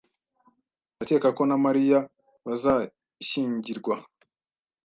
Ndakeka ko na Mariya bazashyingirwa.